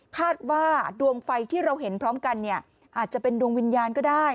คาดว่าดวงไฟที่เราเห็นพร้อมกันเนี่ยอาจจะเป็นดวงวิญญาณก็ได้